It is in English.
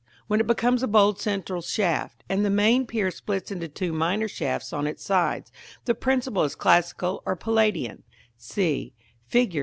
When it becomes a bold central shaft, and the main pier splits into two minor shafts on its sides, the principle is Classical or Palladian, c, Fig.